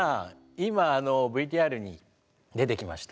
今ＶＴＲに出てきました